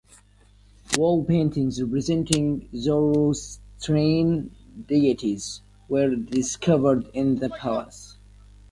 Wall paintings representing Zoroastrian deities were discovered in the Palace.